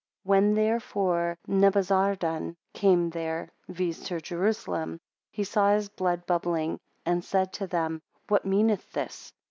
When therefore Nebuzaradan came there (viz. to Jerusalem,) he saw his blood bubbling, and said to them, What meaneth this?